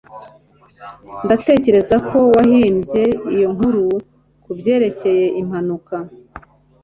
Ndatekereza ko wahimbye iyo nkuru kubyerekeye impanuka